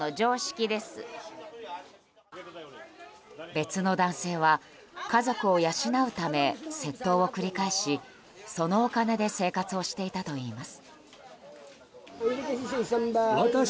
別の男性は家族を養うため窃盗を繰り返しそのお金で生活をしていたといいます。